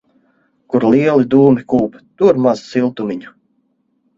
Kur lieli dūmi kūp, tur maz siltumiņa.